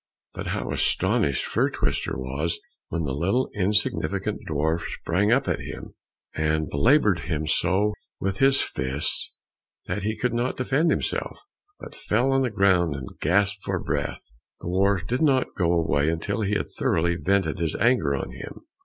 But how astonished Fir twister was when the little insignificant dwarf sprang up at him, and belaboured him so with his fists that he could not defend himself, but fell on the ground and gasped for breath! The dwarf did not go away until he had thoroughly vented his anger on him.